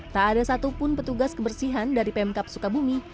tak ada satupun petugas kebersihan dari pemkap sukabumi